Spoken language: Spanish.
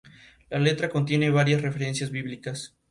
La letra contiene varias referencias bíblicas.